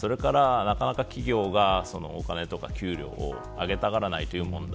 それから、なかなか企業がお金とか給料を上げたがらないという問題